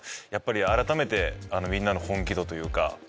やっぱり改めてみんなの本気度というか。